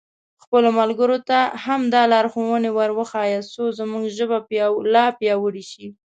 خپلو ملګرو ته هم دا لارښوونې ور وښیاست څو زموږ ژبه لا پیاوړې شي.